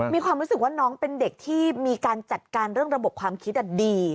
มีความรู้สึกว่าน้องเป็นเด็กที่มีการจัดการเรื่องระบบความคิดดี